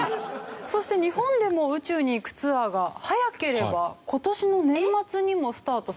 そして日本でも宇宙に行くツアーが早ければ今年の年末にもスタートする予定なんですね。